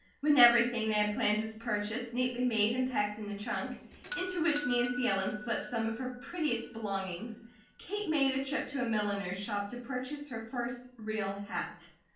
When everything they had planned was purchased, neatly made, and packed in a trunk, into which Nancy Ellen slipped some of her prettiest belongings, Kate made a trip to a milliner's shop to purchase her first real hat.